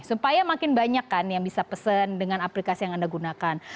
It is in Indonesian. supaya makin banyak kan yang bisa pesen dengan aplikasi yang anda gunakan